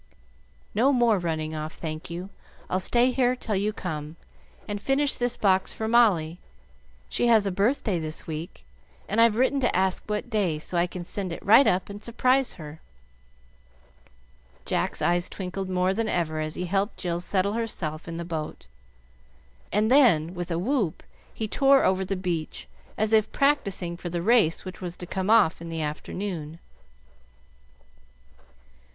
"No more running off, thank you. I'll stay here till you come, and finish this box for Molly; she has a birthday this week, and I've written to ask what day, so I can send it right up and surprise her." Jack's eyes twinkled more than ever as he helped Jill settle herself in the boat, and then with a whoop he tore over the beach, as if practising for the race which was to come off in the afternoon.